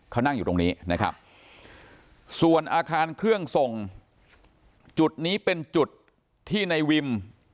เขานั่งอยู่ตรงนี้นะครับส่วนอาคารเครื่องส่งจุดนี้เป็นจุดที่ในวิม